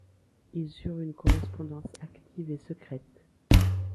Ils eurent une correspondance active et secrète.